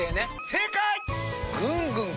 正解！